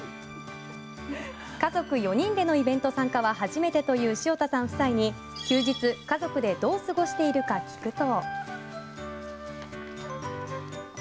家族４人でのイベント参加は初めてという潮田さん夫妻に休日、家族でどう過ごしているか聞くと。